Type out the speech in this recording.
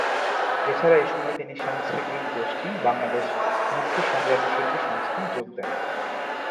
এছাড়া এ সময়ে তিনি সাংস্কৃতিক গোষ্ঠী "বাংলাদেশ মুক্তি সংগ্রামী শিল্পী সংস্থা"য় যোগ দেন।